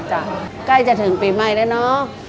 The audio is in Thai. ใกล้จะถึงปีใหม่แล้วเนาะ